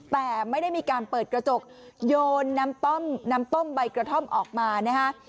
แต่ไม่ได้มีการเปิดกระจกโยนน้ำต้มน้ำต้มใบกระท่อมออกมานะฮะ